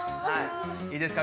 いいですか？